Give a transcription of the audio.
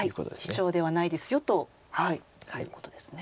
シチョウではないですよということですね。